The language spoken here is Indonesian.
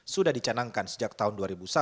sudah dicanangkan sejak tahun dua ribu satu